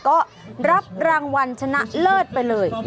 ก็รับรางวัลชนะเลิศไปเลย